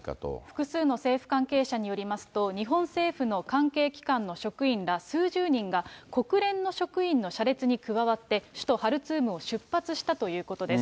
複数の政府関係者によりますと、日本政府の関係機関の職員ら数十人が、国連の職員の車列に加わって、首都ハルツームを出発したということです。